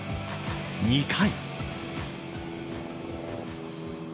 ２回。